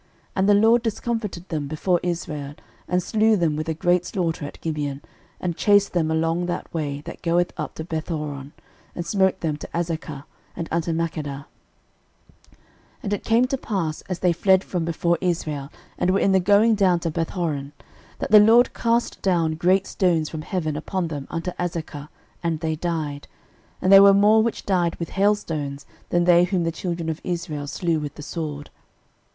06:010:010 And the LORD discomfited them before Israel, and slew them with a great slaughter at Gibeon, and chased them along the way that goeth up to Bethhoron, and smote them to Azekah, and unto Makkedah. 06:010:011 And it came to pass, as they fled from before Israel, and were in the going down to Bethhoron, that the LORD cast down great stones from heaven upon them unto Azekah, and they died: they were more which died with hailstones than they whom the children of Israel slew with the sword.